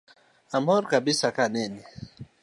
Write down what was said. Amor kabisa kaneni